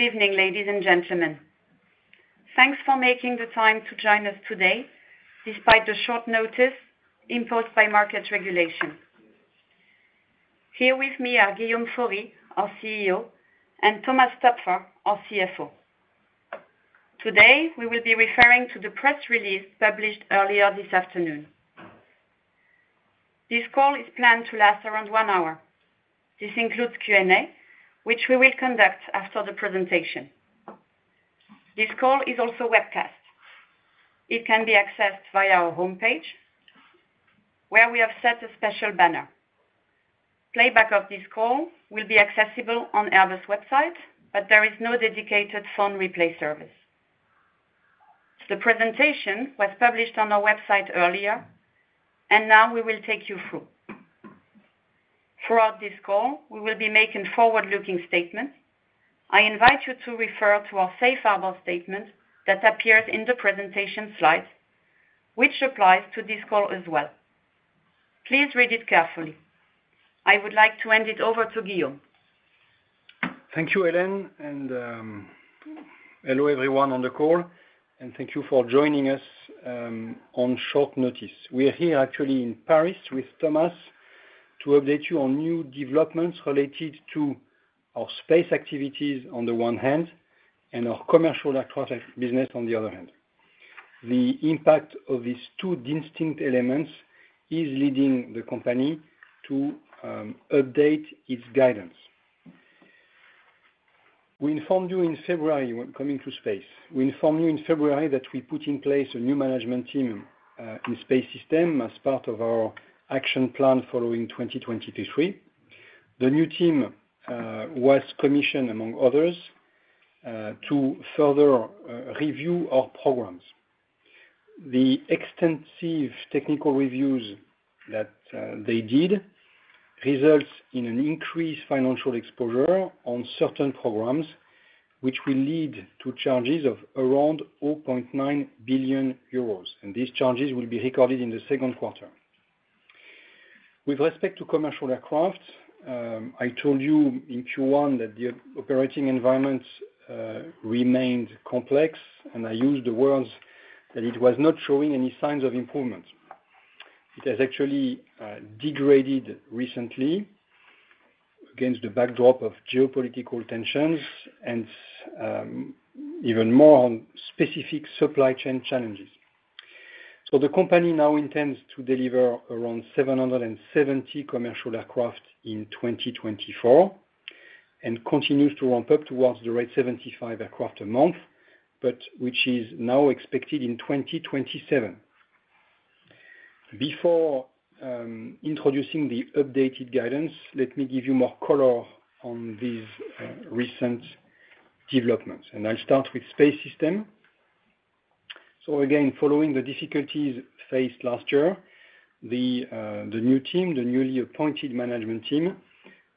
Good evening, ladies and gentlemen. Thanks for making the time to join us today, despite the short notice imposed by market regulation. Here with me are Guillaume Faury, our CEO, and Thomas Toepfer, our CFO. Today, we will be referring to the press release published earlier this afternoon. This call is planned to last around one hour. This includes Q&A, which we will conduct after the presentation. This call is also webcast. It can be accessed via our homepage, where we have set a special banner. Playback of this call will be accessible on Airbus website, but there is no dedicated phone replay service. The presentation was published on our website earlier, and now we will take you through. Throughout this call, we will be making forward-looking statements. I invite you to refer to our Safe Harbor statement that appears in the presentation slides, which applies to this call as well. Please read it carefully. I would like to hand it over to Guillaume. Thank you, Hélène, and hello, everyone on the call, and thank you for joining us on short notice. We are here actually in Paris with Thomas to update you on new developments related to our space activities on the one hand, and our commercial aircraft business on the other hand. The impact of these two distinct elements is leading the company to update its guidance. We informed you in February, when coming to space, we informed you in February that we put in place a new management team in space system as part of our action plan following 2023. The new team was commissioned, among others, to further review our programs. The extensive technical reviews that they did results in an increased financial exposure on certain programs, which will lead to charges of around 0.9 billion euros, and these charges will be recorded in the second quarter. With respect to commercial aircraft, I told you in Q1 that the operating environment remained complex, and I used the words that it was not showing any signs of improvement. It has actually degraded recently against the backdrop of geopolitical tensions and even more on specific supply chain challenges. So the company now intends to deliver around 770 commercial aircraft in 2024, and continues to ramp up towards the rate 75 aircraft a month, but which is now expected in 2027. Before introducing the updated guidance, let me give you more color on these recent developments, and I'll start with Space Systems. So again, following the difficulties faced last year, the new team, the newly appointed management team,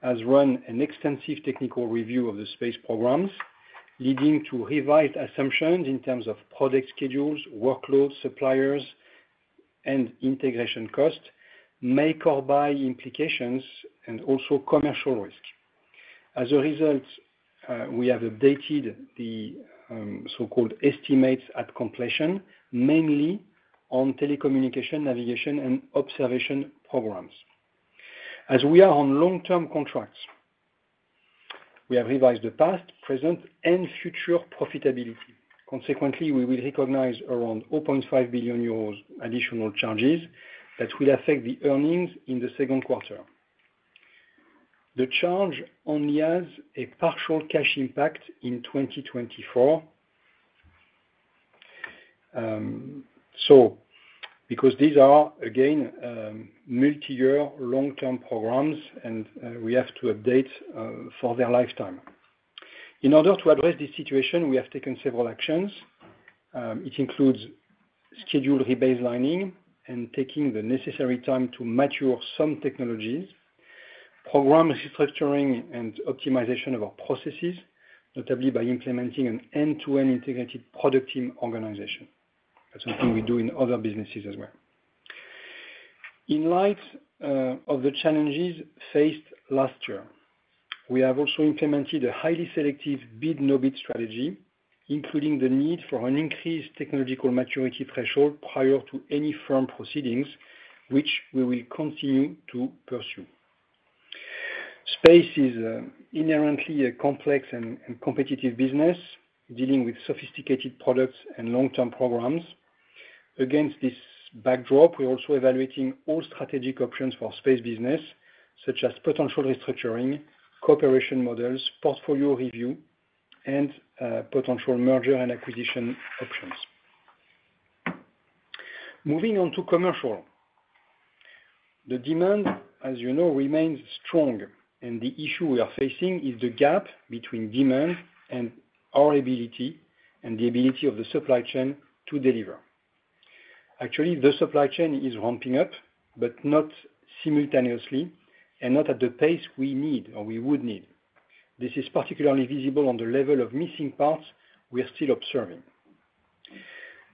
has run an extensive technical review of the space programs, leading to revised assumptions in terms of product schedules, workloads, suppliers and integration costs, make-or-buy implications, and also commercial risk. As a result, we have updated the so-called estimates at completion, mainly on telecommunication, navigation, and observation programs. As we are on long-term contracts, we have revised the past, present, and future profitability. Consequently, we will recognize around 0.5 billion euros additional charges that will affect the earnings in the second quarter. The charge only has a partial cash impact in 2024. So because these are, again, multi-year long-term programs, and we have to update for their lifetime. In order to address this situation, we have taken several actions. It includes schedule rebaselining and taking the necessary time to mature some technologies, program restructuring and optimization of our processes, notably by implementing an end-to-end integrated product team organization. That's something we do in other businesses as well. In light of the challenges faced last year, we have also implemented a highly selective bid no-bid strategy, including the need for an increased technological maturity threshold prior to any firm proceedings, which we will continue to pursue. Space is inherently a complex and competitive business, dealing with sophisticated products and long-term programs. Against this backdrop, we're also evaluating all strategic options for space business, such as potential restructuring, cooperation models, portfolio review, and potential merger and acquisition options. Moving on to commercial. The demand, as you know, remains strong, and the issue we are facing is the gap between demand and our ability and the ability of the supply chain to deliver. Actually, the supply chain is ramping up, but not simultaneously and not at the pace we need or we would need. This is particularly visible on the level of missing parts we are still observing.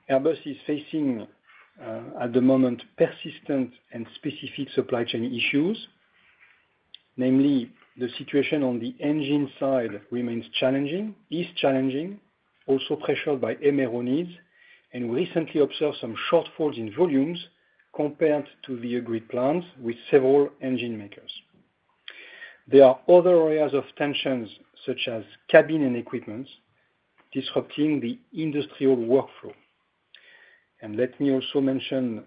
Airbus is facing, at the moment, persistent and specific supply chain issues. Namely, the situation on the engine side remains challenging, is challenging, also pressured by MRO needs, and recently observed some shortfalls in volumes compared to the agreed plans with several engine makers. There are other areas of tensions, such as cabin and equipments, disrupting the industrial workflow. Let me also mention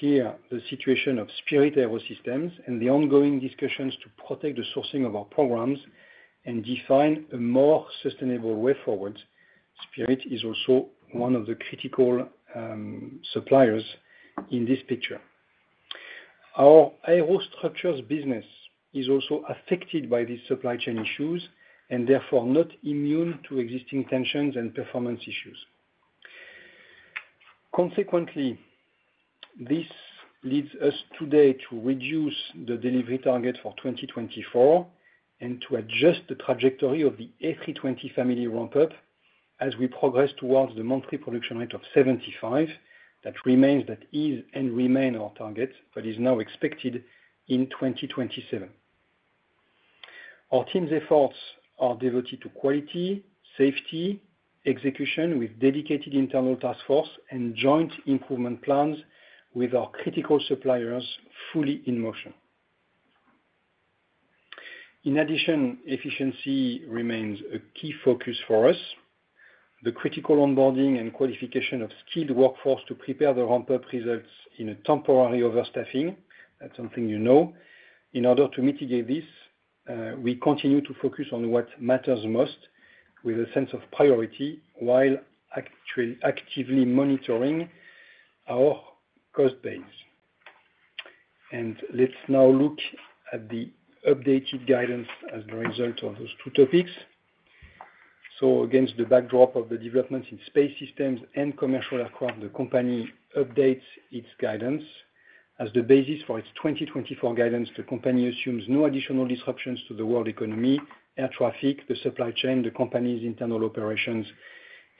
here the situation of Spirit AeroSystems and the ongoing discussions to protect the sourcing of our programs and define a more sustainable way forward. Spirit is also one of the critical suppliers in this picture. Our aerostructures business is also affected by these supply chain issues, and therefore not immune to existing tensions and performance issues. Consequently, this leads us today to reduce the delivery target for 2024, and to adjust the trajectory of the A320 family ramp up as we progress towards the monthly production rate of 75. That remains, that is and remain our target, but is now expected in 2027. Our team's efforts are devoted to quality, safety, execution, with dedicated internal task force and joint improvement plans with our critical suppliers fully in motion. In addition, efficiency remains a key focus for us. The critical onboarding and qualification of skilled workforce to prepare the ramp-up results in a temporary overstaffing. That's something you know. In order to mitigate this, we continue to focus on what matters most with a sense of priority, while actually actively monitoring our cost base. Let's now look at the updated guidance as a result of those two topics. Against the backdrop of the developments in space systems and commercial aircraft, the company updates its guidance. As the basis for its 2024 guidance, the company assumes no additional disruptions to the world economy, air traffic, the supply chain, the company's internal operations,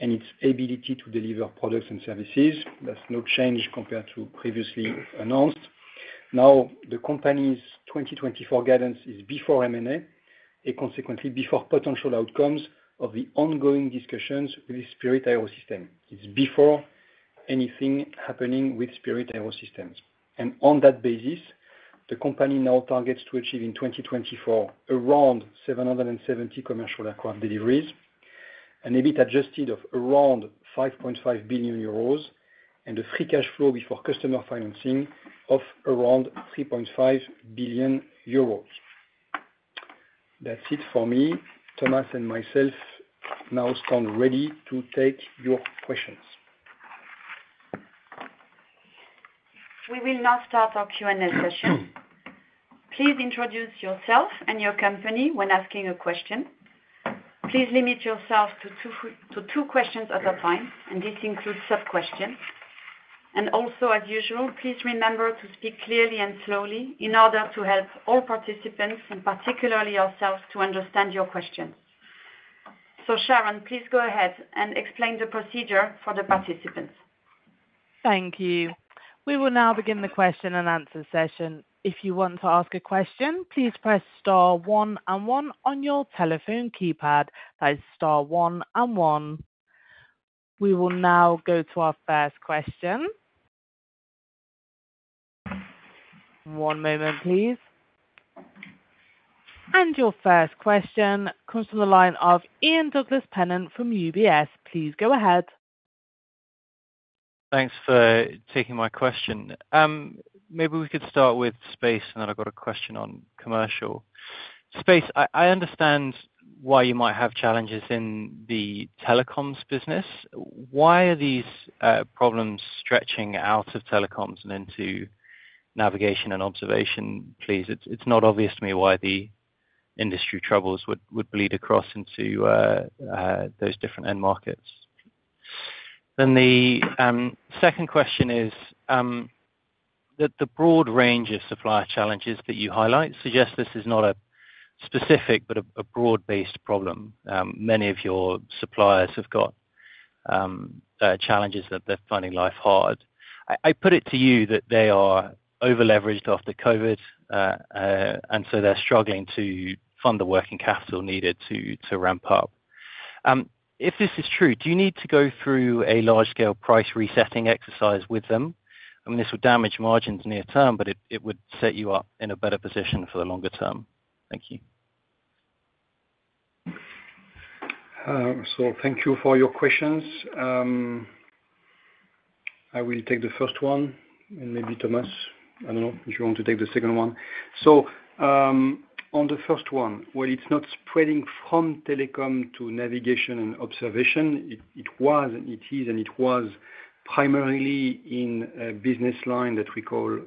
and its ability to deliver products and services. There's no change compared to previously announced. Now, the company's 2024 guidance is before M&A, and consequently before potential outcomes of the ongoing discussions with Spirit AeroSystems. It's before anything happening with Spirit AeroSystems. And on that basis, the company now targets to achieve in 2024, around 770 commercial aircraft deliveries, and EBIT adjusted of around 5.5 billion euros, and a free cash flow before customer financing of around 3.5 billion euros. That's it for me. Thomas and myself now stand ready to take your questions. We will now start our Q&A session. Please introduce yourself and your company when asking a question. Please limit yourself to two, questions at a time, and this includes sub-questions. And also, as usual, please remember to speak clearly and slowly in order to help all participants, and particularly ourselves, to understand your question. So Sharon, please go ahead and explain the procedure for the participants. Thank you. We will now begin the question and answer session. If you want to ask a question, please press star one and one on your telephone keypad. That is star one and one. We will now go to our first question. One moment, please. Your first question comes from the line of Ian Douglas-Pennant from UBS. Please go ahead. Thanks for taking my question. Maybe we could start with space, and then I've got a question on commercial. Space, I understand why you might have challenges in the telecoms business. Why are these problems stretching out of telecoms and into navigation and observation, please? It's not obvious to me why the industry troubles would bleed across into those different end markets. Then the second question is, the broad range of supplier challenges that you highlight suggest this is not a specific but a broad-based problem. Many of your suppliers have got challenges that they're finding life hard. I put it to you that they are over-leveraged after COVID, and so they're struggling to fund the working capital needed to ramp up. If this is true, do you need to go through a large-scale price resetting exercise with them? I mean, this would damage margins near term, but it, it would set you up in a better position for the longer term. Thank you. So thank you for your questions. I will take the first one, and maybe Thomas, I don't know if you want to take the second one. So, on the first one, well, it's not spreading from telecom to navigation and observation. It was, and it is, and it was primarily in a business line that we call,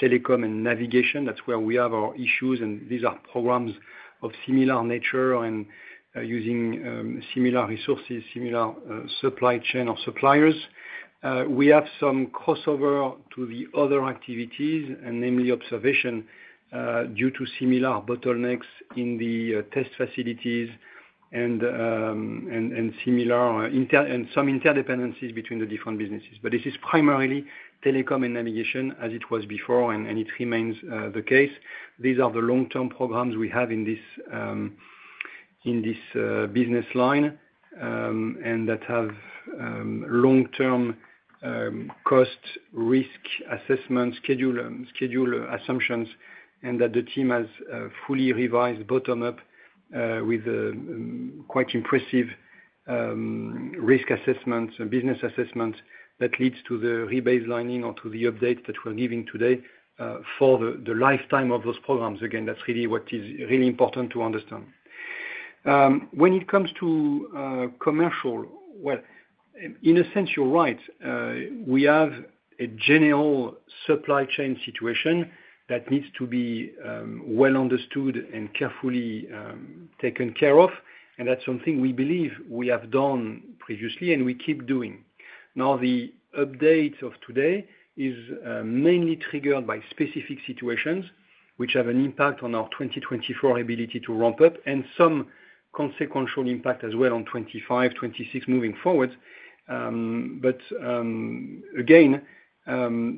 telecom and navigation. That's where we have our issues, and these are programs of similar nature and, using, similar resources, similar, supply chain or suppliers. We have some crossover to the other activities, and namely observation, due to similar bottlenecks in the, test facilities and, and, and similar inter- and some interdependencies between the different businesses. But this is primarily telecom and navigation as it was before, and, and it remains, the case. These are the long-term programs we have in this business line. And that have long-term cost, risk assessment, schedule assumptions, and that the team has fully revised bottom up with quite impressive risk assessments and business assessments that leads to the rebaselining or to the update that we're giving today for the lifetime of those programs. Again, that's really what is really important to understand. When it comes to commercial, well, in a sense, you're right. We have a general supply chain situation that needs to be well understood and carefully taken care of, and that's something we believe we have done previously and we keep doing. Now, the update of today is mainly triggered by specific situations, which have an impact on our 2024 ability to ramp up and some consequential impact as well on 2025, 2026 moving forward. But, again,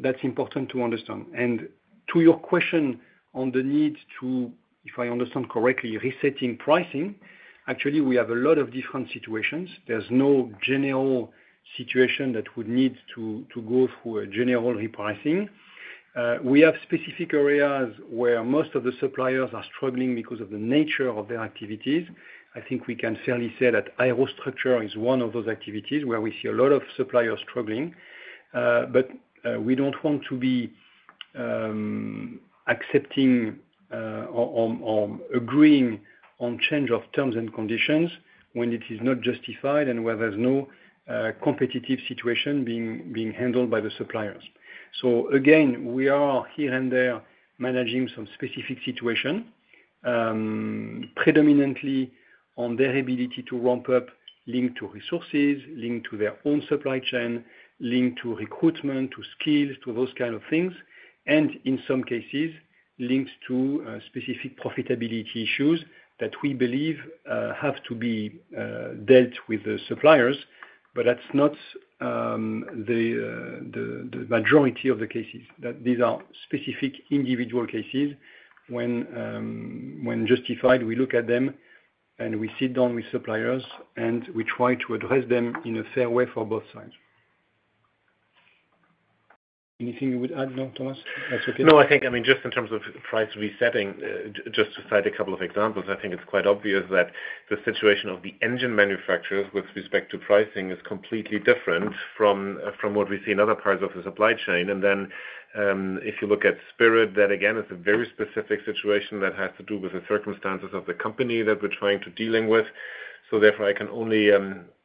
that's important to understand. And to your question on the need to, if I understand correctly, resetting pricing, actually, we have a lot of different situations. There's no general situation that would need to go through a general repricing. We have specific areas where most of the suppliers are struggling because of the nature of their activities. I think we can fairly say that aerostructures is one of those activities where we see a lot of suppliers struggling. But, we don't want to be accepting or agreeing on change of terms and conditions when it is not justified and where there's no competitive situation being handled by the suppliers. So again, we are here and there, managing some specific situation, predominantly on their ability to ramp up, linked to resources, linked to their own supply chain, linked to recruitment, to skills, to those kind of things, and in some cases, linked to specific profitability issues that we believe have to be dealt with the suppliers. But that's not the majority of the cases. That these are specific individual cases when justified, we look at them, and we sit down with suppliers, and we try to address them in a fair way for both sides. Anything you would add, no, Thomas? That's okay. No, I think, I mean, just in terms of price resetting, just to cite a couple of examples, I think it's quite obvious that the situation of the engine manufacturers with respect to pricing is completely different from, from what we see in other parts of the supply chain. And then, if you look at Spirit, that again, is a very specific situation that has to do with the circumstances of the company that we're trying to dealing with. So therefore, I can only,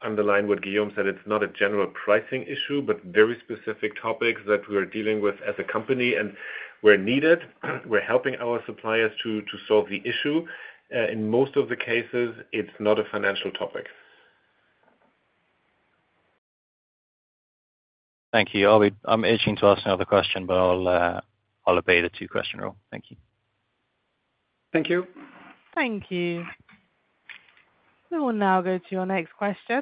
underline what Guillaume said, it's not a general pricing issue, but very specific topics that we're dealing with as a company, and where needed, we're helping our suppliers to, to solve the issue. In most of the cases, it's not a financial topic. Thank you. I'm itching to ask another question, but I'll obey the two-question rule. Thank you. Thank you. Thank you. We will now go to your next question.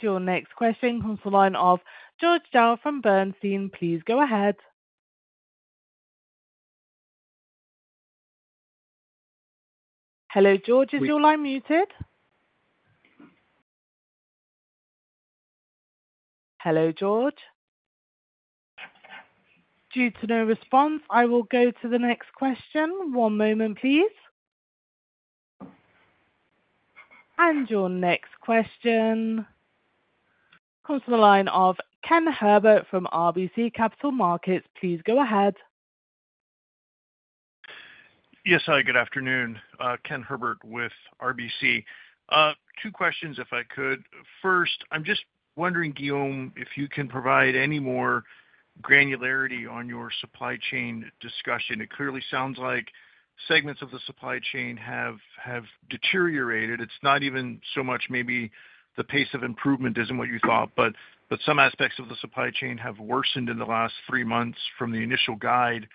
Your next question comes from the line of George Zhao from Bernstein. Please go ahead. Hello, George. Is your line muted? Hello, George? Due to no response, I will go to the next question. One moment, please. And your next question comes to the line of Ken Herbert from RBC Capital Markets. Please go ahead. Yes, hi, good afternoon, Ken Herbert with RBC. Two questions, if I could. First, I'm just wondering, Guillaume, if you can provide any more granularity on your supply chain discussion. It clearly sounds like segments of the supply chain have, have deteriorated. It's not even so much maybe the pace of improvement isn't what you thought, but, but some aspects of the supply chain have worsened in the last three months from the initial guide.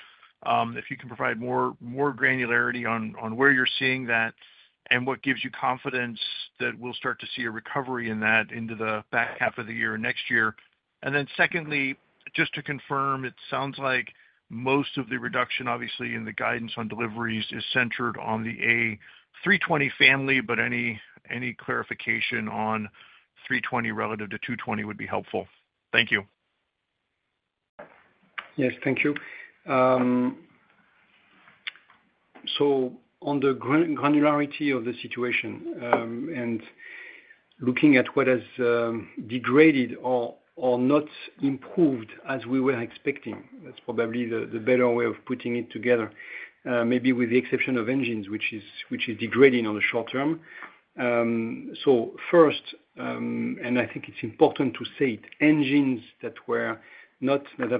If you can provide more, more granularity on, on where you're seeing that, and what gives you confidence that we'll start to see a recovery in that into the back half of the year next year? And then secondly, just to confirm, it sounds like most of the reduction, obviously, in the guidance on deliveries is centered on the A320 family, but any clarification on A320 relative to A220 would be helpful. Thank you. Yes, thank you. So on the granularity of the situation, and looking at what has degraded or not improved as we were expecting, that's probably the better way of putting it together. Maybe with the exception of engines, which is degrading on the short term. So first, and I think it's important to state, engines that have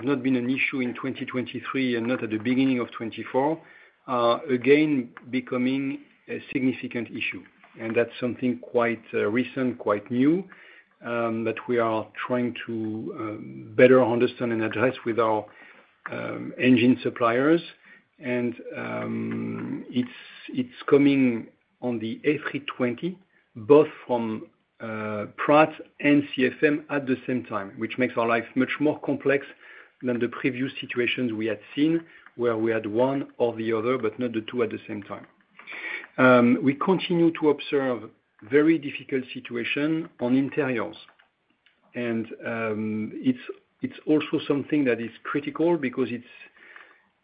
not been an issue in 2023 and not at the beginning of 2024, are again becoming a significant issue. And that's something quite recent, quite new, that we are trying to better understand and address with our-... engine suppliers, and it's coming on the A320, both from Pratt and CFM at the same time, which makes our life much more complex than the previous situations we had seen, where we had one or the other, but not the two at the same time. We continue to observe very difficult situation on interiors. It's also something that is critical because it's,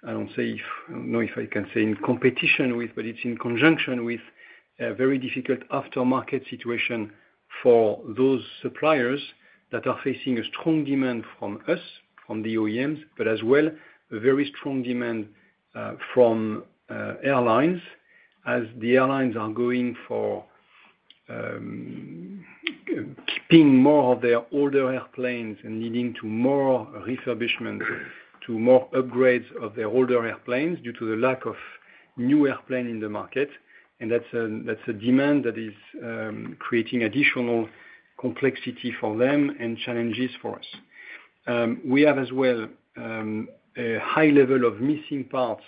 I would say, I don't know if I can say in competition with, but it's in conjunction with, a very difficult aftermarket situation for those suppliers that are facing a strong demand from us, from the OEMs, but as well, a very strong demand from airlines, as the airlines are going for keeping more of their older airplanes and leading to more refurbishment, to more upgrades of their older airplanes, due to the lack of new airplane in the market. That's a demand that is creating additional complexity for them and challenges for us. We have as well a high level of missing parts,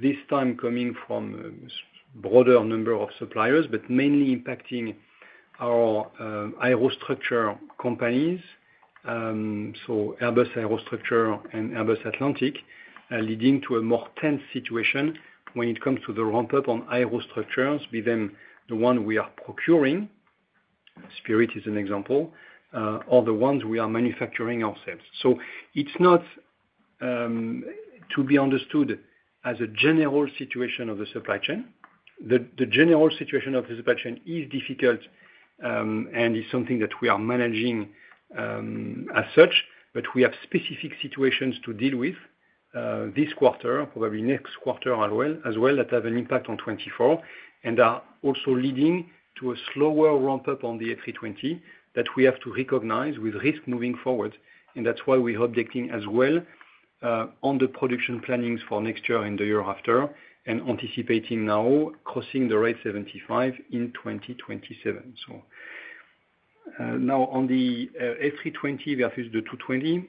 this time coming from a broader number of suppliers, but mainly impacting our aerostructures companies. So Airbus Aerostructures and Airbus Atlantic, leading to a more tense situation when it comes to the ramp-up on aerostructures, be they the one we are procuring, Spirit is an example, or the ones we are manufacturing ourselves. So it's not to be understood as a general situation of the supply chain. The general situation of the supply chain is difficult and is something that we are managing as such, but we have specific situations to deal with this quarter, probably next quarter as well, that have an impact on 2024, and are also leading to a slower ramp-up on the A320, that we have to recognize with risk moving forward. And that's why we're objecting as well on the production plannings for next year and the year after, and anticipating now crossing the rate 75 in 2027. Now on the A320, we have used the A220,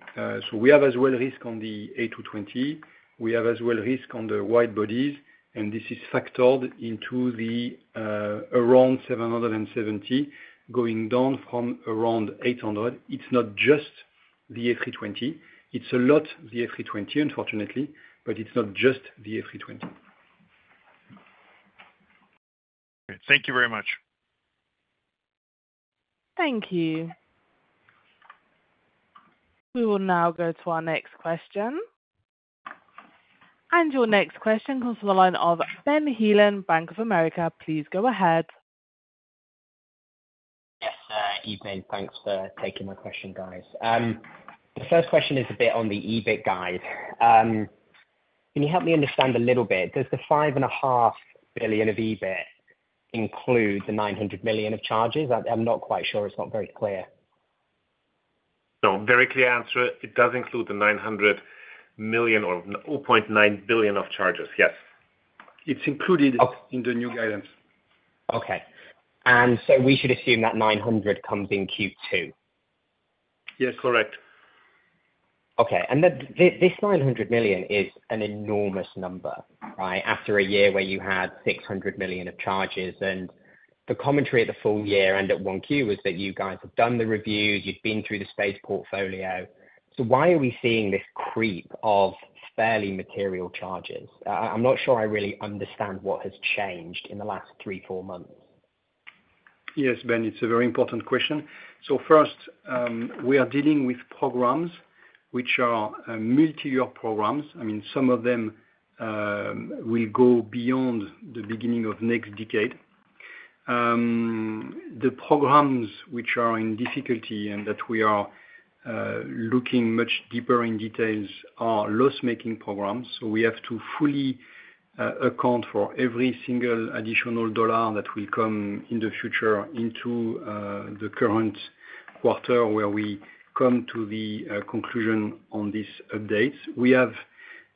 so we have as well risk on the A220. We have as well risk on the wide bodies, and this is factored into the around 770, going down from around 800. It's not just the A320, it's a lot the A320, unfortunately, but it's not just the A320. Thank you very much. Thank you. We will now go to our next question. Your next question comes from the line of Ben Heelan, Bank of America. Please go ahead. Yes, evening. Thanks for taking my question, guys. The first question is a bit on the EBIT guide. Can you help me understand a little bit, does the 5.5 billion of EBIT include the 900 million of charges? I'm not quite sure, it's not very clear. Very clear answer, it does include the 900 million or 0.9 billion of charges. Yes. It's included- Oh. in the new guidance. Okay. And so we should assume that 900 comes in Q2? Yes, correct. Okay. And then, this, this 900 million is an enormous number, right? After a year where you had 600 million of charges, and the commentary of the full year and at 1Q was that you guys have done the reviews, you've been through the space portfolio. So why are we seeing this creep of fairly material charges? I'm not sure I really understand what has changed in the last 3, 4 months. Yes, Ben, it's a very important question. So first, we are dealing with programs which are multi-year programs. I mean, some of them will go beyond the beginning of next decade. The programs which are in difficulty and that we are looking much deeper in details are loss-making programs. So we have to fully account for every single additional dollar that will come in the future into the current quarter, where we come to the conclusion on these updates. We have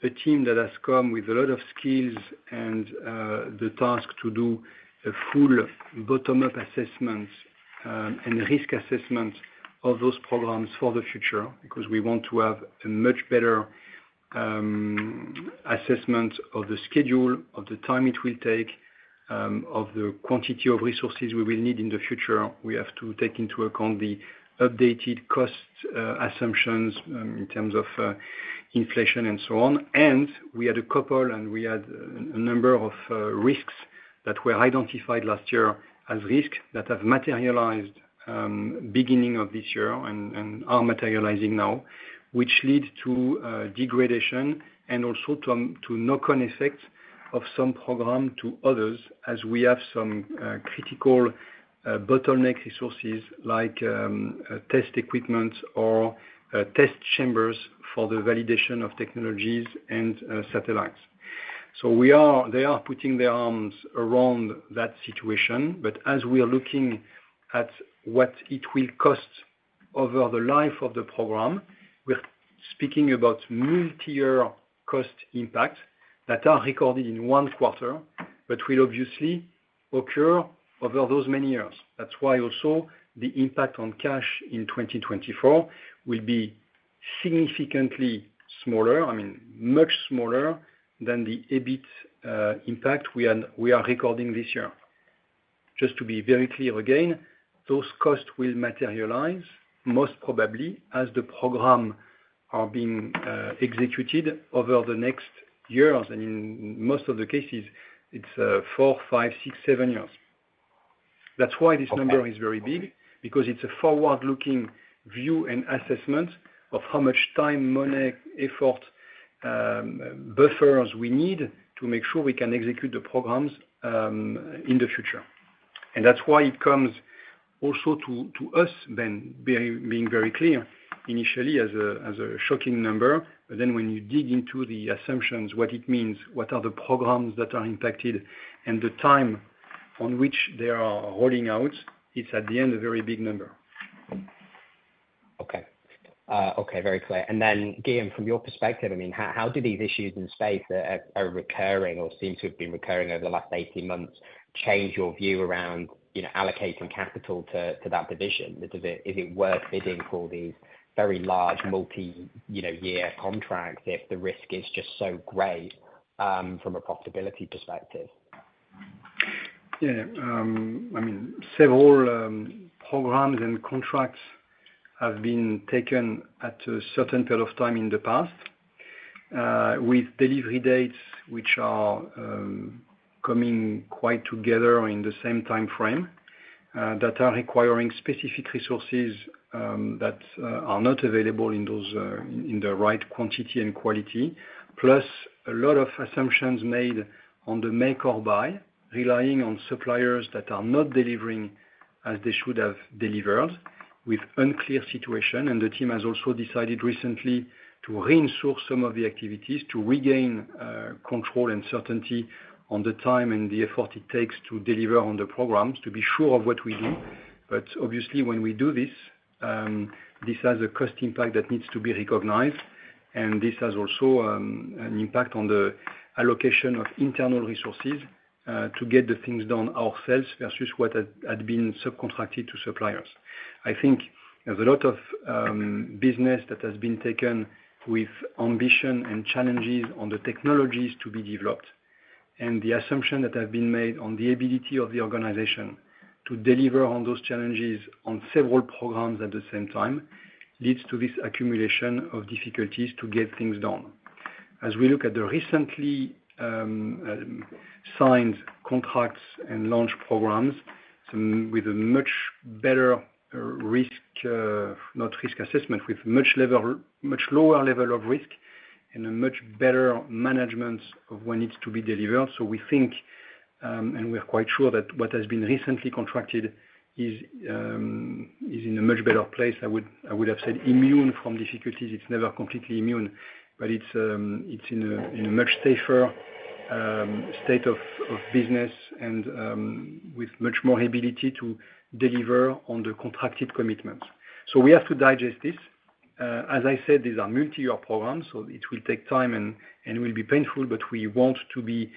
a team that has come with a lot of skills and the task to do a full bottom-up assessment and risk assessment of those programs for the future, because we want to have a much better assessment of the schedule, of the time it will take, of the quantity of resources we will need in the future. We have to take into account the updated cost assumptions in terms of inflation and so on. We had a number of risks that were identified last year as risks that have materialized beginning of this year and are materializing now. Which lead to degradation and also to knock-on effects of some program to others, as we have some critical bottleneck resources like test equipment or test chambers for the validation of technologies and satellites. They are putting their arms around that situation, but as we are looking at what it will cost over the life of the program, we're speaking about multi-year cost impact that are recorded in one quarter, but will obviously occur over those many years. That's why also the impact on cash in 2024 will be significantly smaller, I mean, much smaller than the EBIT impact we are recording this year. Just to be very clear again, those costs will materialize most probably as the program are being executed over the next years, and in most of the cases, it's four, five, six, seven years. That's why this number is very big, because it's a forward-looking view and assessment of how much time, money, effort, buffers we need to make sure we can execute the programs in the future. And that's why it comes also to us, then very being very clear, initially as a shocking number. But then when you dig into the assumptions, what it means, what are the programs that are impacted and the time on which they are rolling out, it's at the end, a very big number. Okay. Okay, very clear. And then, Guillaume, from your perspective, I mean, how do these issues in space that are recurring or seem to have been recurring over the last 18 months change your view around, you know, allocating capital to that division? Is it worth bidding for these very large multi-year contracts if the risk is just so great from a profitability perspective? Yeah. I mean, several programs and contracts have been taken at a certain period of time in the past with delivery dates, which are coming quite together in the same timeframe that are requiring specific resources that are not available in the right quantity and quality. Plus, a lot of assumptions made on the make or buy, relying on suppliers that are not delivering as they should have delivered, with unclear situation. And the team has also decided recently to re-insource some of the activities to regain control and certainty on the time and the effort it takes to deliver on the programs, to be sure of what we do. But obviously, when we do this, this has a cost impact that needs to be recognized, and this has also an impact on the allocation of internal resources to get the things done ourselves versus what had been subcontracted to suppliers. I think there's a lot of business that has been taken with ambition and challenges on the technologies to be developed. And the assumption that have been made on the ability of the organization to deliver on those challenges on several programs at the same time leads to this accumulation of difficulties to get things done. As we look at the recently signed contracts and launch programs, some with a much better risk, not risk assessment, with much lower level of risk and a much better management of when it's to be delivered. So we think, and we're quite sure that what has been recently contracted is in a much better place. I would have said immune from difficulties. It's never completely immune, but it's in a much safer state of business and with much more ability to deliver on the contracted commitments. So we have to digest this. As I said, these are multi-year programs, so it will take time and will be painful, but we want to be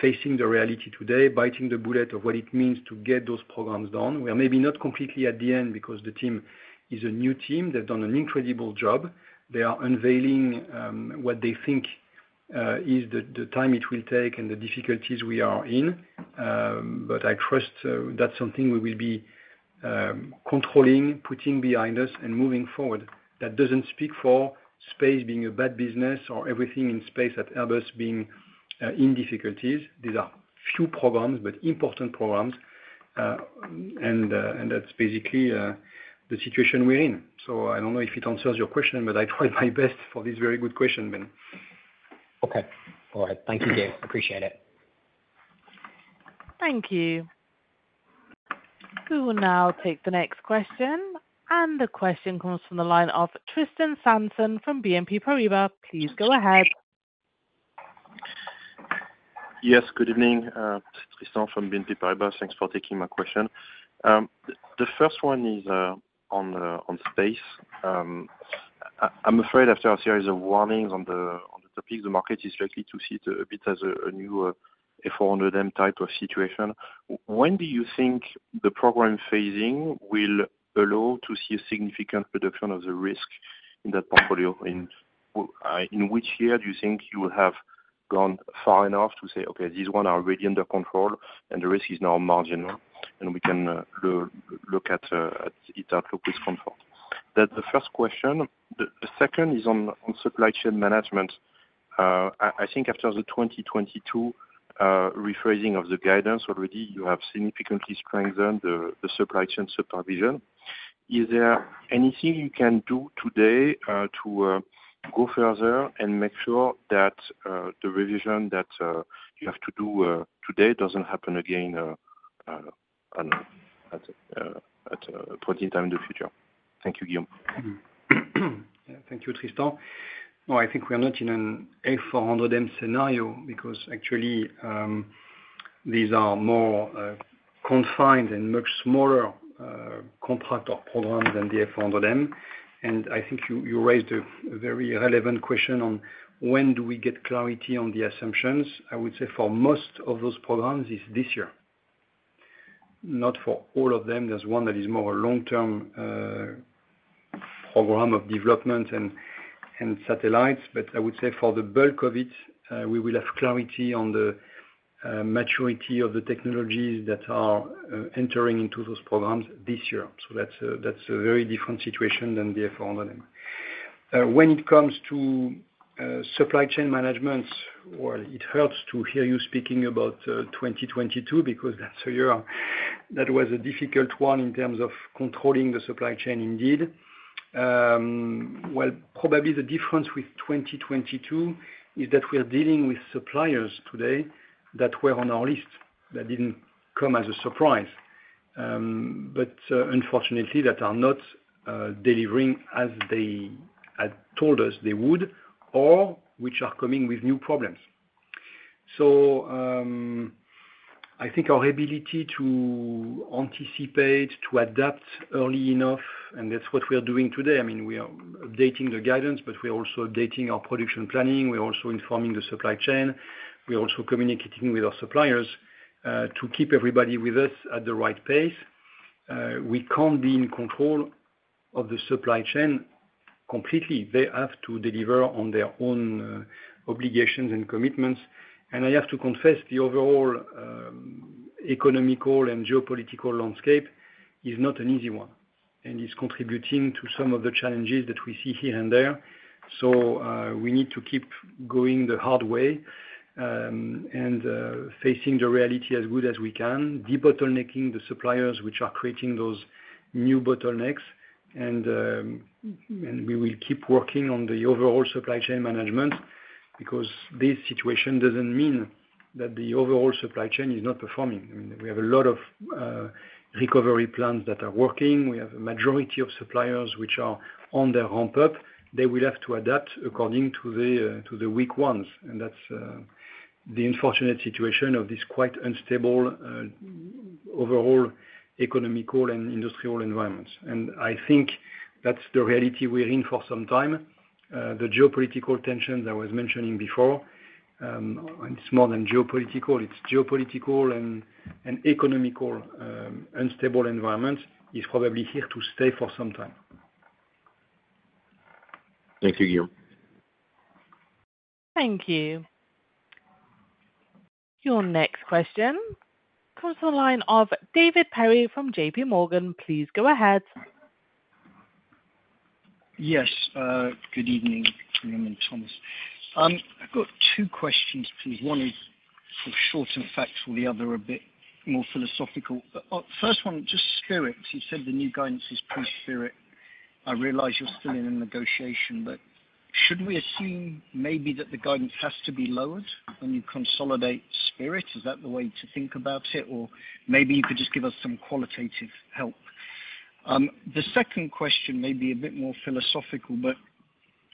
facing the reality today, biting the bullet of what it means to get those programs done. We are maybe not completely at the end because the team is a new team. They've done an incredible job. They are unveiling what they think is the time it will take and the difficulties we are in. But I trust that's something we will be controlling, putting behind us and moving forward. That doesn't speak for space being a bad business or everything in space at Airbus being in difficulties. These are few programs, but important programs. And that's basically the situation we're in. So I don't know if it answers your question, but I tried my best for this very good question, Ben. Okay. All right. Thank you, Guillaume. Appreciate it. Thank you. We will now take the next question, and the question comes from the line of Tristan Sanson from BNP Paribas. Please go ahead. Yes, good evening, Tristan from BNP Paribas. Thanks for taking my question. The first one is on space. I'm afraid after a series of warnings on the topic, the market is likely to see it a bit as a new A400M type of situation. When do you think the program phasing will allow to see a significant reduction of the risk in that portfolio? In which year do you think you will have gone far enough to say, "Okay, this one are already under control, and the risk is now marginal, and we can look at its outlook with comfort?" That's the first question. The second is on supply chain management. I think after the 2022 rephrasing of the guidance, already you have significantly strengthened the supply chain supervision. Is there anything you can do today to go further and make sure that the revision that you have to do today doesn't happen again at a point in time in the future? Thank you, Guillaume. Yeah, thank you, Tristan. No, I think we are not in an A400M scenario because actually, these are more confined and much smaller contract or programs than the A400M. And I think you raised a very relevant question on when do we get clarity on the assumptions? I would say for most of those programs, it's this year. Not for all of them, there's one that is more long-term program of development and satellites. But I would say for the bulk of it, we will have clarity on the maturity of the technologies that are entering into those programs this year. So that's a very different situation than the A400M. When it comes to supply chain management, well, it helps to hear you speaking about 2022, because that's a year that was a difficult one in terms of controlling the supply chain indeed. Well, probably the difference with 2022 is that we are dealing with suppliers today that were on our list. That didn't come as a surprise. But unfortunately, that are not delivering as they had told us they would, or which are coming with new problems. So, I think our ability to anticipate, to adapt early enough, and that's what we are doing today. I mean, we are updating the guidance, but we're also updating our production planning. We're also informing the supply chain. We're also communicating with our suppliers to keep everybody with us at the right pace. We can't be in control of the supply chain completely. They have to deliver on their own obligations and commitments. I have to confess, the overall economic and geopolitical landscape is not an easy one, and it's contributing to some of the challenges that we see here and there. So, we need to keep going the hard way, and facing the reality as good as we can, debottlenecking the suppliers which are creating those new bottlenecks. And we will keep working on the overall supply chain management, because this situation doesn't mean that the overall supply chain is not performing. I mean, we have a lot of recovery plans that are working. We have a majority of suppliers which are on their ramp up. They will have to adapt according to the, to the weak ones, and that's, the unfortunate situation of this quite unstable, overall economical and industrial environment. And I think that's the reality we're in for some time. The geopolitical tensions I was mentioning before, and it's more than geopolitical, it's geopolitical and, and economical, unstable environment, is probably here to stay for some time. Thank you, Guillaume. Thank you. Your next question comes on the line of David Perry from J.P. Morgan. Please go ahead. Yes, good evening, Guillaume and Thomas. I've got two questions, please. One is sort of short and factual, the other a bit more philosophical. But first one, just Spirit. You said the new guidance is pre-Spirit. I realize you're still in a negotiation, but should we assume maybe that the guidance has to be lowered when you consolidate Spirit? Is that the way to think about it, or maybe you could just give us some qualitative help? The second question may be a bit more philosophical, but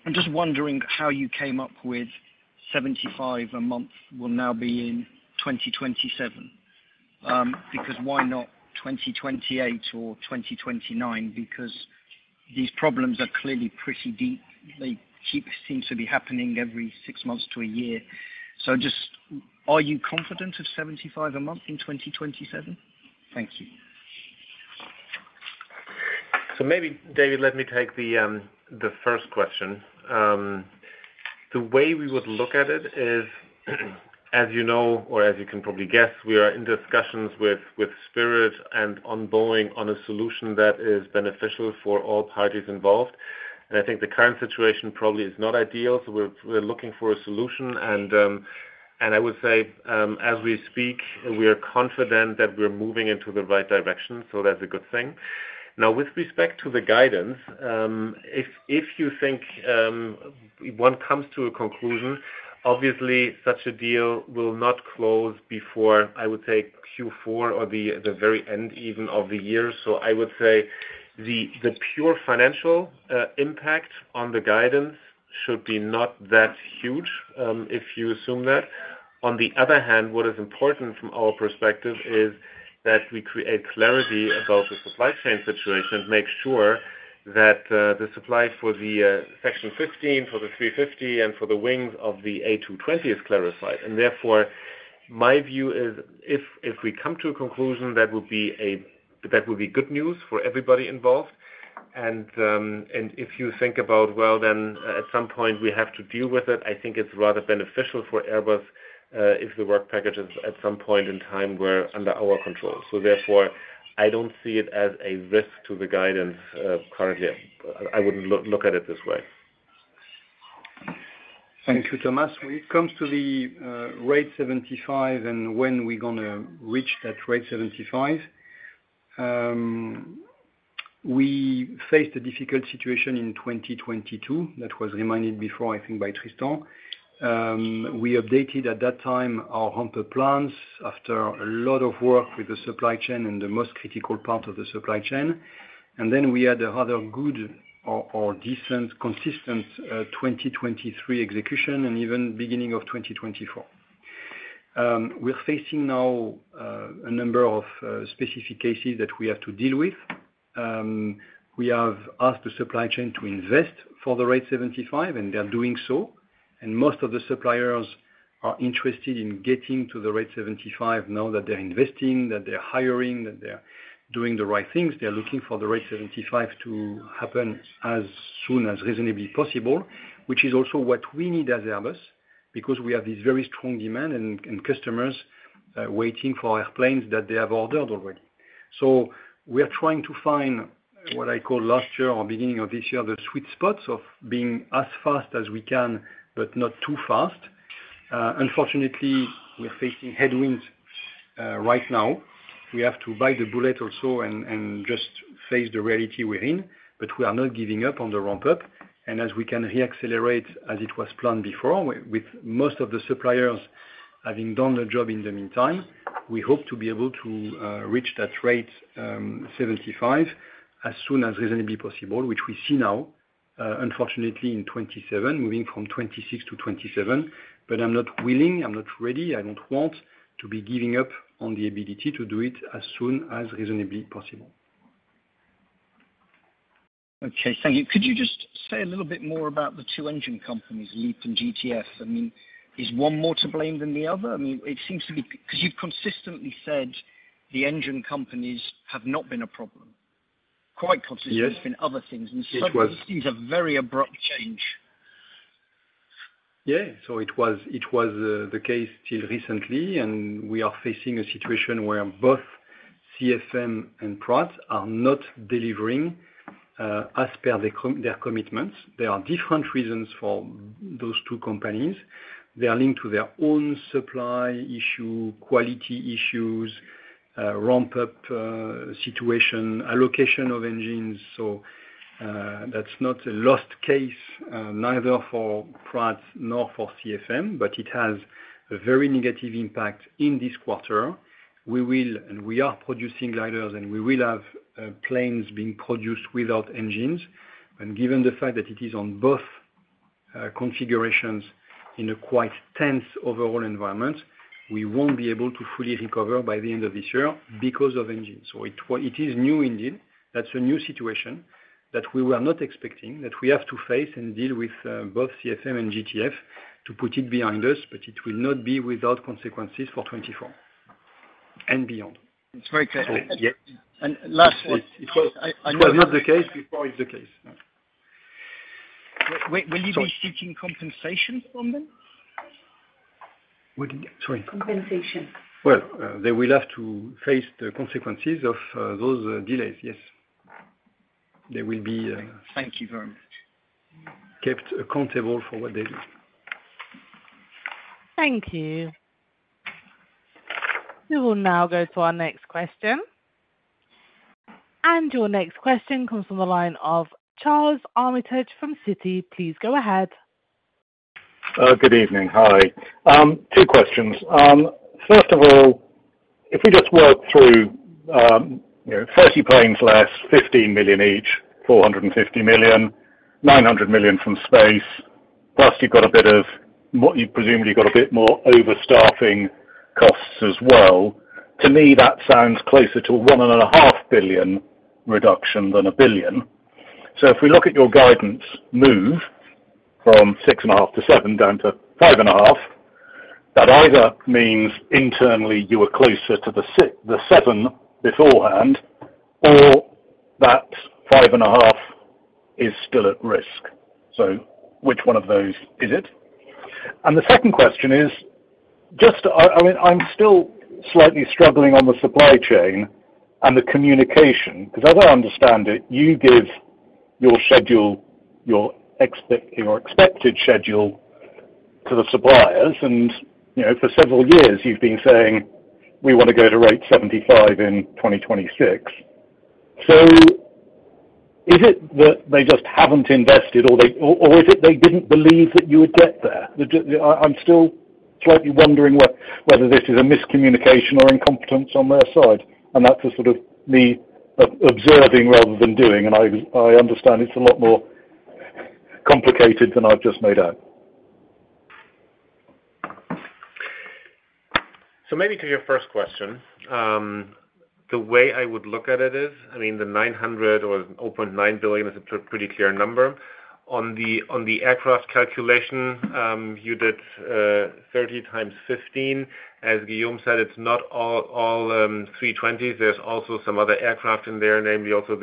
I'm just wondering how you came up with 75 a month will now be in 2027. Because why not 2028 or 2029? Because these problems are clearly pretty deep. They keep seem to be happening every six months to a year. So just are you confident of 75 a month in 2027? Thank you. So maybe, David, let me take the first question. The way we would look at it is, as you know, or as you can probably guess, we are in discussions with Spirit and Boeing on a solution that is beneficial for all parties involved. And I think the current situation probably is not ideal, so we're looking for a solution. And I would say, as we speak, we are confident that we're moving into the right direction, so that's a good thing. Now, with respect to the guidance, if you think one comes to a conclusion, obviously such a deal will not close before, I would say, Q4 or the very end even of the year. So I would say the pure financial impact on the guidance should be not that huge, if you assume that. On the other hand, what is important from our perspective is that we create clarity about the supply chain situation. Make sure that the supply for the Section 15, for the A350, and for the wings of the A220 is clarified. And therefore, my view is if we come to a conclusion, that would be good news for everybody involved. And if you think about, well, then at some point we have to deal with it, I think it's rather beneficial for Airbus, if the work packages at some point in time were under our control. So therefore, I don't see it as a risk to the guidance currently. I wouldn't look at it this way. Thank you, Thomas. When it comes to the Rate 75 and when we're gonna reach that Rate 75, we faced a difficult situation in 2022, that was reminded before, I think, by Tristan. We updated, at that time, our ramp up plans after a lot of work with the supply chain and the most critical part of the supply chain. And then we had a rather good or decent, consistent 2023 execution and even beginning of 2024. We are facing now a number of specific cases that we have to deal with. We have asked the supply chain to invest for the Rate 75, and they are doing so. And most of the suppliers are interested in getting to the Rate 75, now that they're investing, that they're hiring, that they're doing the right things. They're looking for the rate 75 to happen as soon as reasonably possible, which is also what we need as Airbus, because we have this very strong demand and customers waiting for airplanes that they have ordered already. So we are trying to find what I call last year or beginning of this year, the sweet spots of being as fast as we can, but not too fast. Unfortunately, we are facing headwinds right now. We have to bite the bullet also and just face the reality we're in, but we are not giving up on the ramp up. As we can re-accelerate, as it was planned before, with most of the suppliers having done their job in the meantime, we hope to be able to reach that rate 75 as soon as reasonably possible, which we see now, unfortunately in 2027, moving from 2026 to 2027. But I'm not willing, I'm not ready, I don't want to be giving up on the ability to do it as soon as reasonably possible. Okay, thank you. Could you just say a little bit more about the two engine companies, LEAP and GTF? I mean, is one more to blame than the other? I mean, it seems to be-'cause you've consistently said the engine companies have not been a problem, quite consistent- Yes... It's been other things, and- It was Suddenly it seems a very abrupt change. Yeah. So it was the case till recently, and we are facing a situation where both CFM and Pratt are not delivering as per their commitments. There are different reasons for those two companies. They are linked to their own supply issue, quality issues, ramp up situation, allocation of engines. So, that's not a lost case, neither for Pratt nor for CFM, but it has a very negative impact in this quarter. We will, and we are producing gliders, and we will have planes being produced without engines. And given the fact that it is on both configurations in a quite tense overall environment, we won't be able to fully recover by the end of this year because of engines. So it is new indeed. That's a new situation that we were not expecting, that we have to face and deal with, both CFM and GTF to put it behind us, but it will not be without consequences for 2024 and beyond. It's very clear. So, yeah. And last point, I It was not the case before. It's the case. Will you be seeking compensation from them? What, sorry? Compensation. Well, they will have to face the consequences of those delays, yes. They will be, Thank you very much.... kept accountable for what they did. Thank you. We will now go to our next question. Your next question comes from the line of Charles Armitage from Citi. Please go ahead. Good evening. Hi. two questions. First of all, if we just work through, you know, 30 planes less, 15 million each, 450 million, 900 million from space, plus you've got a bit of what you presumably got a bit more overstaffing costs as well. To me, that sounds closer to 1.5 billion reduction than 1 billion. So if we look at your guidance move from 6.5 billion-7 billion, down to 5.5 billion, that either means internally you were closer to the seven beforehand, or that 5.5 is still at risk. So which one of those is it? And the second question is just, I mean, I'm still slightly struggling on the supply chain and the communication, 'cause as I understand it, you give your schedule, your expected schedule to the suppliers, and, you know, for several years you've been saying, "We want to go to rate 75 in 2026." So is it that they just haven't invested, or is it they didn't believe that you would get there? I, I'm still slightly wondering what, whether this is a miscommunication or incompetence on their side, and that's a sort of me observing rather than doing. And I understand it's a lot more complicated than I've just made out. So maybe to your first question, the way I would look at it is, I mean, the 900 million or 0.9 billion is a pretty clear number. On the aircraft calculation, you did 30 times 15. As Guillaume said, it's not all 320. There's also some other aircraft in there, namely also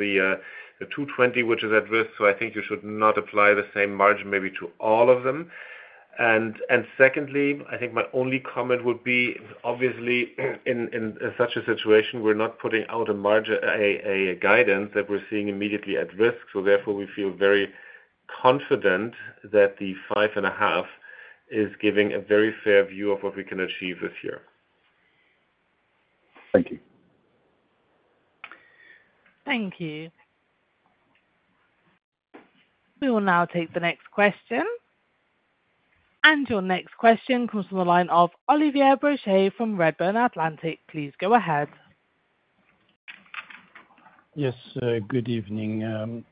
the 220, which is at risk, so I think you should not apply the same margin maybe to all of them. And secondly, I think my only comment would be, obviously, in such a situation, we're not putting out a margin guidance that we're seeing immediately at risk. So therefore, we feel very confident that the 5.5 is giving a very fair view of what we can achieve this year. Thank you. Thank you. We will now take the next question. Your next question comes from the line of Olivier Brochet from Redburn Atlantic. Please go ahead. Yes, good evening.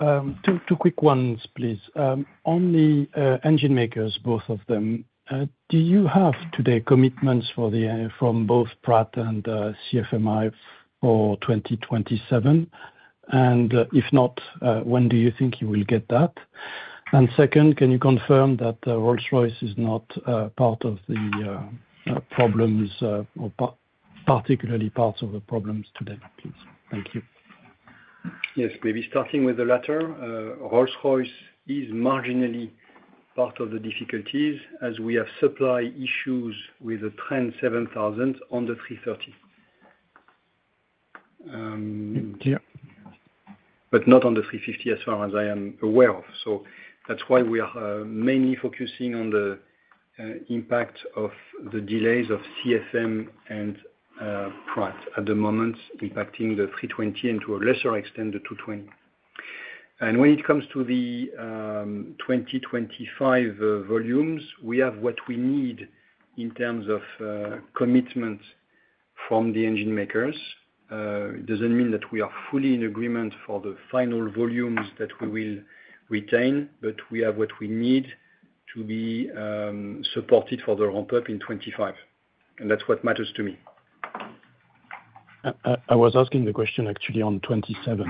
Two quick ones, please. On the engine makers, both of them, do you have today commitments for the from both Pratt and CFM for 2027? And, if not, when do you think you will get that? And second, can you confirm that Rolls-Royce is not part of the problems or particularly part of the problems today, please? Thank you. Yes, maybe starting with the latter, Rolls-Royce is marginally part of the difficulties as we have supply issues with the Trent 7000 on the A330. Um, yeah. But not on the A350, as far as I am aware of. So that's why we are mainly focusing on the impact of the delays of CFM and Pratt at the moment, impacting the A320, and to a lesser extent, the A220. And when it comes to the 2025 volumes, we have what we need in terms of commitment from the engine makers. It doesn't mean that we are fully in agreement for the final volumes that we will retain, but we have what we need to be supported for the ramp-up in 2025, and that's what matters to me. I was asking the question, actually, on 27.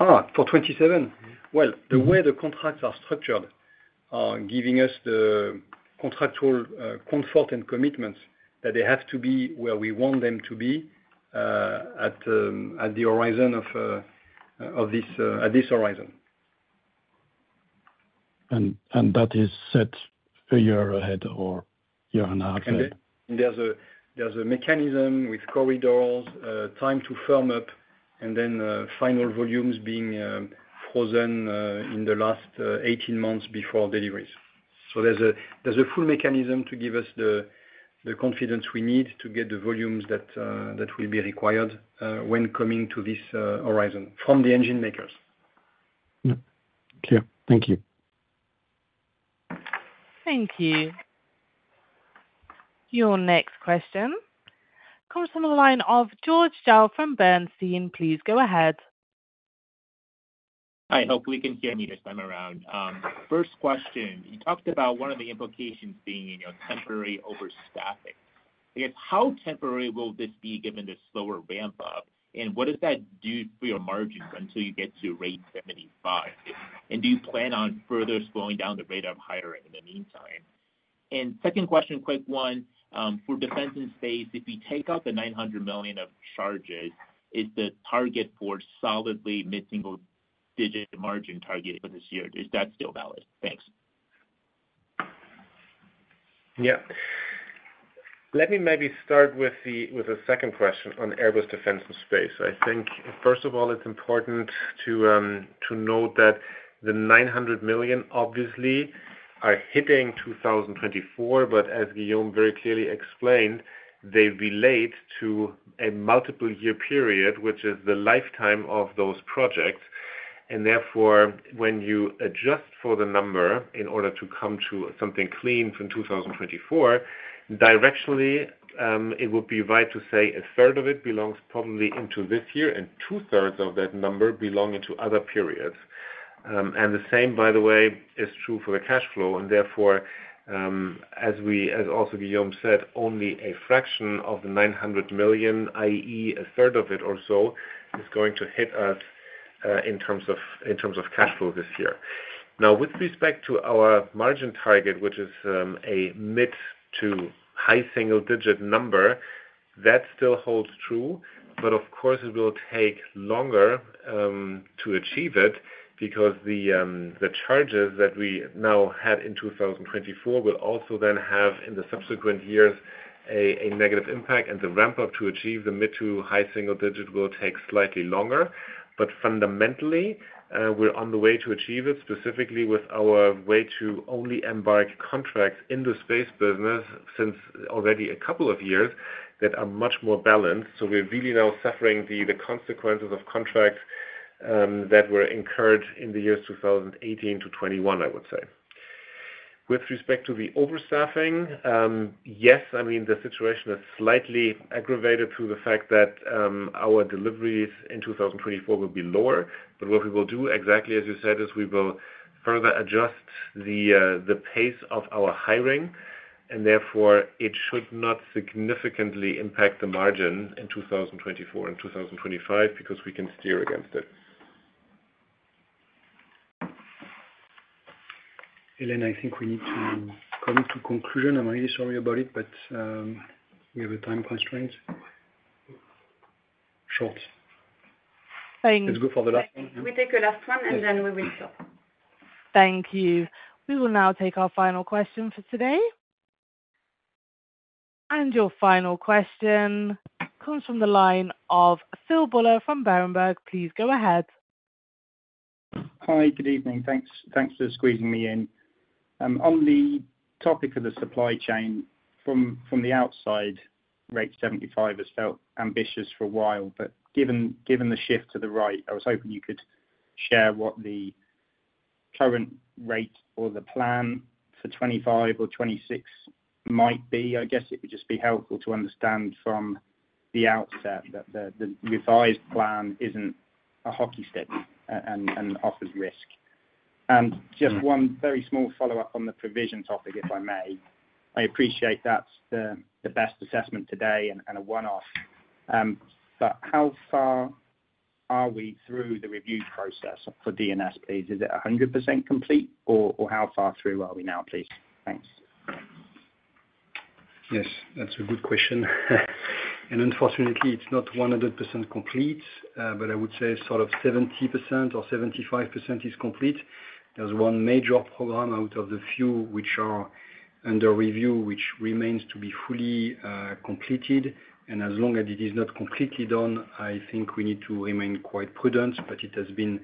Ah, for 2027? Mm-hmm. Well, the way the contracts are structured are giving us the contractual comfort and commitments that they have to be where we want them to be, at the horizon of this, at this horizon. That is set a year ahead or a year and a half ahead? There's a mechanism with corridors, time to firm up, and then final volumes being frozen in the last 18 months before deliveries. So there's a full mechanism to give us the confidence we need to get the volumes that will be required when coming to this horizon from the engine makers. Yeah. Clear. Thank you. Thank you. Your next question comes from the line of George Zhao from Bernstein. Please go ahead. Hi, hopefully can hear me this time around. First question, you talked about one of the implications being in your temporary overstaffing. I guess, how temporary will this be given the slower ramp up, and what does that do for your margins until you get to rate 75? And do you plan on further slowing down the rate of hiring in the meantime? And second question, quick one, for Defence and Space, if we take out the 900 million of charges, is the target for solidly mid-single digit margin target for this year, is that still valid? Thanks. Yeah. Let me maybe start with the, with the second question on Airbus Defence and Space. I think, first of all, it's important to, to note that the 900 million obviously are hitting 2024, but as Guillaume very clearly explained, they relate to a multiple year period, which is the lifetime of those projects. And therefore, when you adjust for the number in order to come to something clean from 2024, directionally, it would be right to say a third of it belongs probably into this year, and two thirds of that number belong into other periods. And the same, by the way, is true for the cash flow, and therefore, as also Guillaume said, only a fraction of the 900 million, i.e., a third of it or so, is going to hit us in terms of cash flow this year. Now, with respect to our margin target, which is a mid to high single digit number, that still holds true. But of course, it will take longer to achieve it, because the charges that we now have in 2024 will also then have, in the subsequent years, a negative impact. And the ramp up to achieve the mid to high single digit will take slightly longer. But fundamentally, we're on the way to achieve it, specifically with our way to only embark contracts in the space business since already a couple of years, that are much more balanced. So we're really now suffering the consequences of contracts that were incurred in the years 2018-2021, I would say. With respect to the overstaffing, yes, I mean, the situation is slightly aggravated through the fact that our deliveries in 2024 will be lower. But what we will do, exactly as you said, is we will further adjust the pace of our hiring, and therefore, it should not significantly impact the margin in 2024 and 2025, because we can steer against it. Hélène, I think we need to come to conclusion. I'm really sorry about it, but, we have a time constraint. Short. Thank- Let's go for the last one. We take a last one, and then we will stop. Thank you. We will now take our final question for today. Your final question comes from the line of Phil Buller from Berenberg. Please go ahead. Hi, good evening. Thanks, thanks for squeezing me in. On the topic of the supply chain, from the outside, rate 75 has felt ambitious for a while, but given the shift to the right, I was hoping you could share what the current rate or the plan for 2025 or 2026 might be. I guess it would just be helpful to understand from the outset that the revised plan isn't a hockey stick, and offers risk. Just one very small follow-up on the provision topic, if I may. I appreciate that's the best assessment today and a one-off. But how far are we through the review process for DNS, please? Is it 100% complete, or how far through are we now, please? Thanks. Yes, that's a good question. Unfortunately, it's not 100% complete, but I would say sort of 70% or 75% is complete. There's one major program out of the few which are under review, which remains to be fully completed, and as long as it is not completely done, I think we need to remain quite prudent. It has been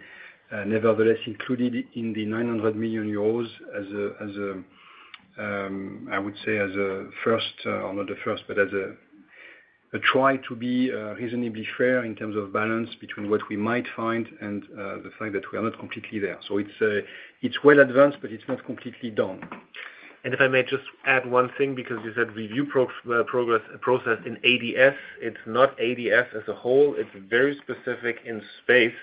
nevertheless included in the 900 million euros as a, I would say as a first, or not the first, but as a try to be reasonably fair in terms of balance between what we might find and the fact that we are not completely there. It's well advanced, but it's not completely done. If I may just add one thing, because you said review progress process in ADS. It's not ADS as a whole, it's very specific in space.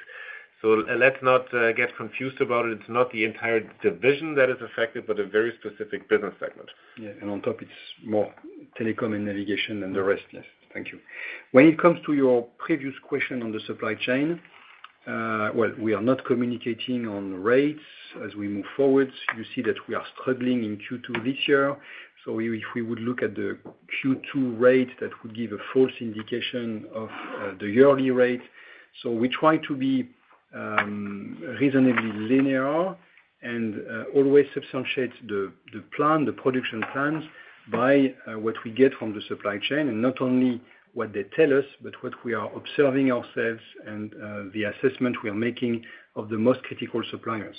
So let's not get confused about it. It's not the entire division that is affected, but a very specific business segment. Yeah, and on top it's more telecom and navigation than the rest. Yes. Thank you. When it comes to your previous question on the supply chain, well, we are not communicating on rates as we move forward. You see that we are struggling in Q2 this year. So if we would look at the Q2 rate, that would give a false indication of the yearly rate. So we try to be reasonably linear and always substantiate the plan, the production plans, by what we get from the supply chain, and not only what they tell us, but what we are observing ourselves and the assessment we are making of the most critical suppliers.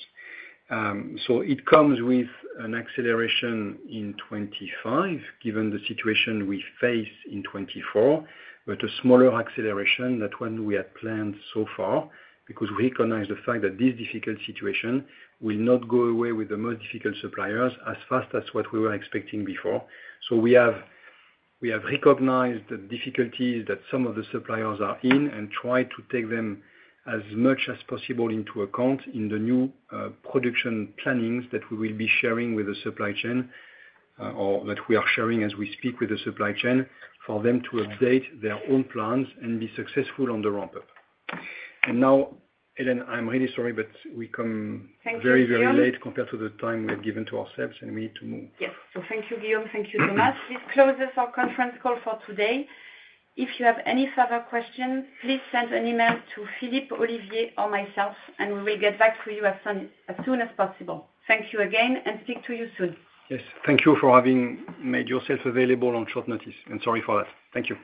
So it comes with an acceleration in 2025, given the situation we face in 2024, but a smaller acceleration than when we had planned so far, because we recognize the fact that this difficult situation will not go away with the most difficult suppliers as fast as what we were expecting before. So we have, we have recognized the difficulties that some of the suppliers are in, and try to take them as much as possible into account in the new production plannings that we will be sharing with the supply chain, or that we are sharing as we speak with the supply chain, for them to update their own plans and be successful on the ramp-up. And now, Hélène, I'm really sorry, but we come- Thank you, Guillaume. Very, very late compared to the time we have given to ourselves, and we need to move. Yes. So thank you, Guillaume. Thank you, Thomas. This closes our conference call for today. If you have any further questions, please send an email to Philippe, Olivier, or myself, and we will get back to you as soon, as soon as possible. Thank you again, and speak to you soon. Yes, thank you for having made yourself available on short notice, and sorry for that. Thank you.